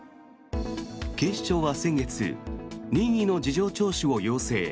警視庁は先月任意の事情聴取を要請。